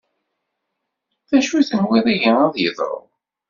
D acu tenwiḍ ihi ad yeḍru?